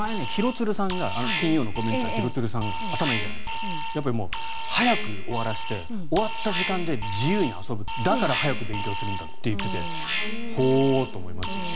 前に金曜日のコメンテーターの廣津留さんが頭いいじゃないですか早く終わらせて終わった時間で自由に遊ぶだから早く勉強するんだって言っていてほおと思いましたけどね。